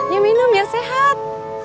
ya minum ya sehat